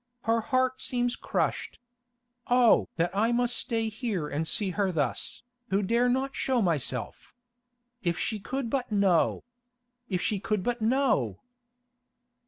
"Her heart seems crushed. Oh! that I must stay here and see her thus, who dare not show myself! If she could but know! If she could but know!"